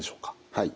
はい。